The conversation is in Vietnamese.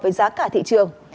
với giá cả thị trường